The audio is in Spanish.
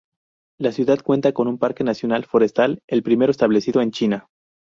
La ciudad cuenta con un parque nacional forestal, el primero establecido en China.